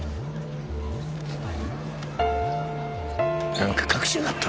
なんか隠しやがった。